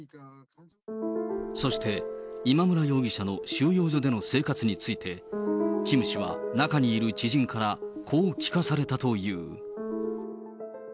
そして、今村容疑者の収容所での生活について、キム氏は中にいる知人から、こう聞かされたという。